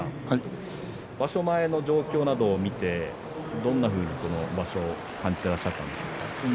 場所前の状況などを見てどんなふうにこの場所を感じてらっしゃったんですか。